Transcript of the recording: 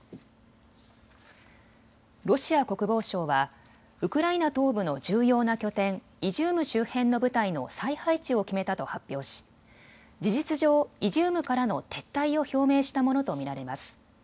ロシア国防省はウクライナ東部の重要な拠点、イジューム周辺の部隊の再配置を決めたと発表し事実上、イジュームからの撤退を表明したものと見られます。